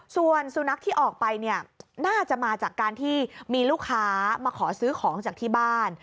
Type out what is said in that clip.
ส่วนสุนัขที่ออกไปเนี่ยน่าจะมาจากการที่มีลูกค้ามาขอซื้อของจากที่บ้าน